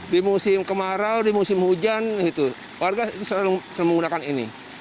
di musim kemarau di musim hujan warga itu selalu menggunakan ini